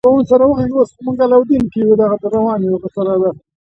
له درواغو او غیبت څخه سکون الوتی وي